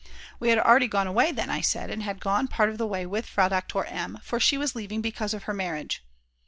We had already gone away then, I said, and had gone part of the way with Frau Doktor M., for she was leaving because of her marriage.